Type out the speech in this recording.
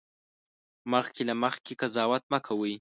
مخکې له مخکې قضاوت مه کوئ